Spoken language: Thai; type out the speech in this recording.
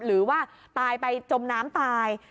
หรือว่าตายไปจมน้ำตาย